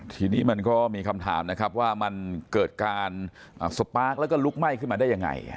ทีนี้มันก็มีคำถามนะครับว่ามันเกิดการสปาร์คแล้วก็ลุกไหม้ขึ้นมาได้ยังไง